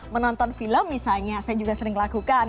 menonton film misalnya saya juga sering lakukan